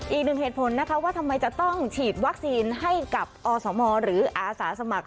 อีกหนึ่งเหตุผลนะคะว่าทำไมจะต้องฉีดวัคซีนให้กับอสมหรืออาสาสมัคร